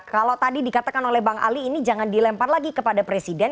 kalau tadi dikatakan oleh bang ali ini jangan dilempar lagi kepada presiden